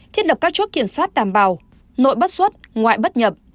thiết lập các chốt kiểm soát đảm bảo nội bất xuất ngoại bất nhập